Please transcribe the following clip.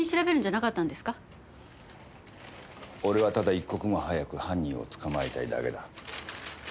俺はただ一刻も早く犯人を捕まえたいだけだ。